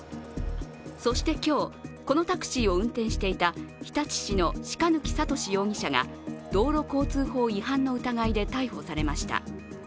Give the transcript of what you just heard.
そして今日、このタクシーを運転していた日立市の鹿貫聡容疑者が、道路交通法違反の疑いで逮捕されました。